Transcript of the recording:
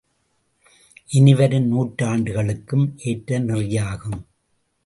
இனிவரும் நூற்றாண்டுகளுக்கும் ஏற்ற நெறியாகும்.